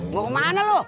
mau kemana lo